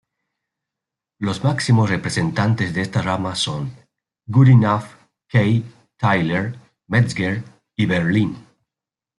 Los máximos representantes de esta rama son: Goodenough, Kay, Tyler, Metzger y Berlín.